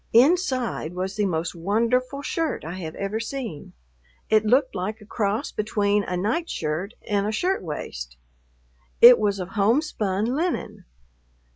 Inside was the most wonderful shirt I have ever seen; it looked like a cross between a nightshirt and a shirt waist. It was of homespun linen.